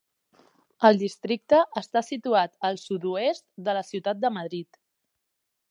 El districte està situat al sud-oest de la ciutat de Madrid.